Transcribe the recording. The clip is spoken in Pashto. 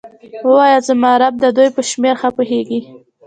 ووایه زما رب د دوی په شمیر ښه پوهیږي.